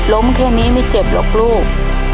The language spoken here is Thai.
แค่นี้ไม่เจ็บหรอกลูก